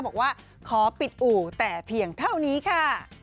บอกว่าขอปิดอู่แต่เพียงเท่านี้ค่ะ